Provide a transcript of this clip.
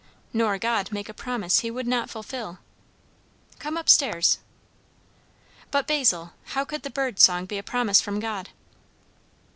"Nor God make a promise he would not fulfil. Come up stairs." "But, Basil! how could the bird's song be a promise from God?"